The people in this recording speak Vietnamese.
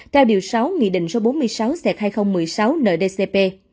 theo điều sáu nghị định số bốn mươi sáu hai nghìn một mươi sáu nợ dcp